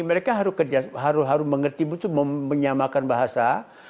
mereka harus mengerti betul menyamakan bahasa